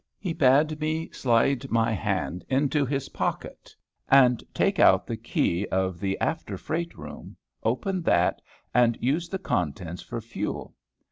He bade me slide my hand into his pocket, and take out the key of the after freight room, open that, and use the contents for fuel.